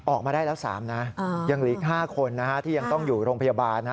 ออกมาได้แล้ว๓นะยังเหลืออีก๕คนที่ยังต้องอยู่โรงพยาบาล